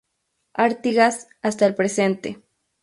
Artigas, hasta el presente.